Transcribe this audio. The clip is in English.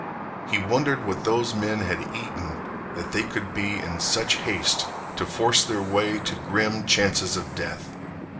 He wondered what those men had eaten that they could be in such haste to force their way to grim chances of death.